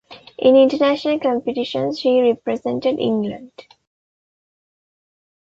In international competition, she represented England.